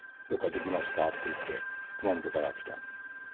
どっかできますかって言って熊本から来た。